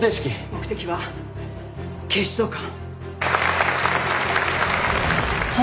目的は警視総監。